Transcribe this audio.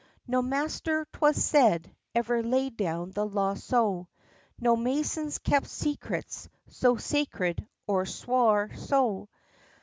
No master, 'twas said, ever laid down the law so; No masons kept secrets so sacred or swore so!